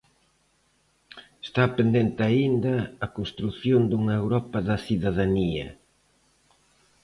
Está pendente aínda a construción dunha Europa da cidadanía.